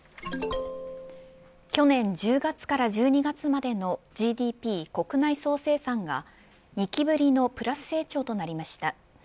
去年１０月から１２月までのＧＤＰ国内総生産が２期ぶりのプラス成長となりました。